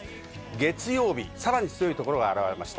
月曜日、さらに強いところが現れました。